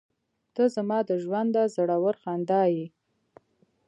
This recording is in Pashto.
• ته زما د ژونده زړور خندا یې.